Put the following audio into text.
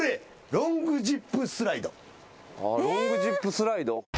ロングジップスライド。